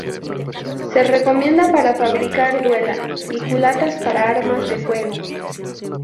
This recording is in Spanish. Se recomienda para fabricar duela y culatas para armas de fuego.